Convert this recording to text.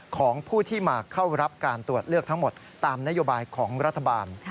ของผู้ที่มาเข้ารับการตรวจเลือกทั้งหมดตามนโยบายของรัฐบาล